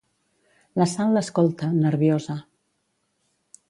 La Sal l'escolta, nerviosa.